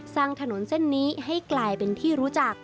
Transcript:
สร้างถนนเส้นนี้ให้กลายเป็นที่รู้จัก